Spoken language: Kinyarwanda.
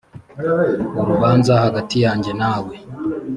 urubanza hagati yanjye nawe